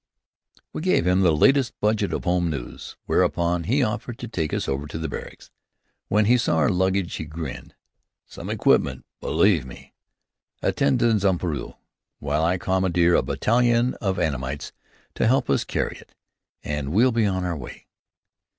We gave him the latest budget of home news, whereupon he offered to take us over to the barracks. When he saw our luggage he grinned. "Some equipment, believe me! Attendez un peu while I commandeer a battalion of Annamites to help us carry it, and we'll be on our way."